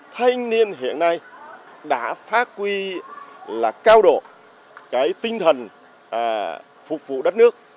thanh niên hiện nay đã phát huy là cao độ cái tinh thần phục vụ đất nước